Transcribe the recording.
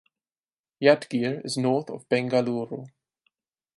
Yadgir is north of Bengaluru.